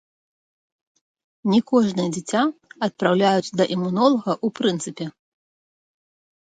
Не кожнае дзіця адпраўляюць да імунолага ў прынцыпе.